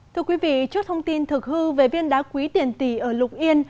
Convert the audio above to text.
thưa quý vị trước thông tin thực hư về viên đá quý tiền tỷ ở lục yên